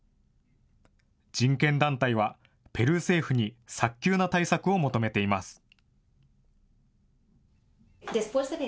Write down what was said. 人権団体はペルー政府に早急な対策を求めています。